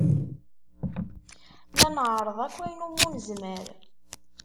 La nɛerreḍ akk ayen umi nezmer.